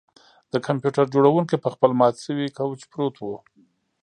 د کمپیوټر جوړونکی په خپل مات شوي کوچ پروت و